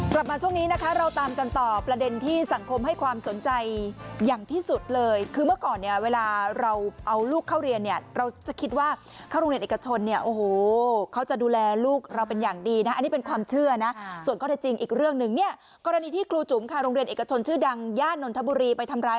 กลับมาช่วงนี้นะคะเราตามกันต่อประเด็นที่สังคมให้ความสนใจอย่างที่สุดเลยคือเมื่อก่อนเนี่ยเวลาเราเอาลูกเข้าเรียนเนี่ยเราจะคิดว่าเข้าโรงเรียนเอกชนเนี่ยโอ้โหเขาจะดูแลลูกเราเป็นอย่างดีนะอันนี้เป็นความเชื่อนะส่วนข้อเท็จจริงอีกเรื่องหนึ่งเนี่ยกรณีที่ครูจุ๋มค่ะโรงเรียนเอกชนชื่อดังย่านนทบุรีไปทำร้าย